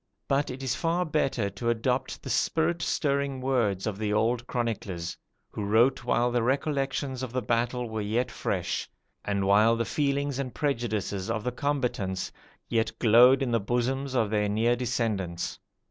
But it is far better to adopt the spirit stirring words of the old chroniclers, who wrote while the recollections of the battle were yet fresh, and while the feelings and prejudices of the combatants yet glowed in the bosoms of their near descendants.